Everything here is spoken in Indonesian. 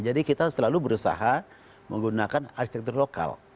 jadi kita selalu berusaha menggunakan arsitektur lokal